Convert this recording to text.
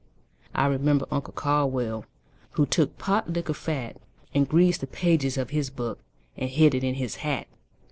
I remember Uncle Caldwell, Who took pot liquor fat And greased the pages of his book, And hid it in his hat.